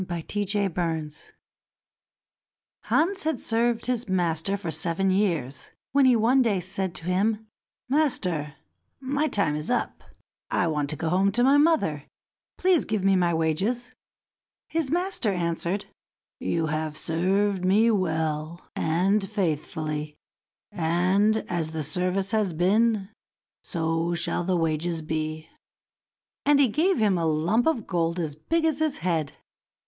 Hans in Luck Hans had served his master for seven years, when he one day said to him: "Master, my time is up; I want to go home to my mother; please give me my wages." His master answered, "You have served me well and faithfully, and as the service has been, so shall the wages be." And he gave him a lump of gold as big as his head.